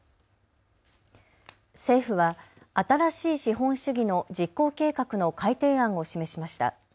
政府は新しい資本主義の実行計画の改訂案を示しました。